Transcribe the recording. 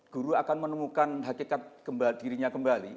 guru akan menemukan hakikat dirinya kembali